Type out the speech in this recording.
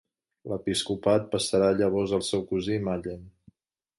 L'episcopat passarà llavors al seu cosí Mallen.